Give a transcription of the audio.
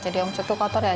jadi omset itu kotor ya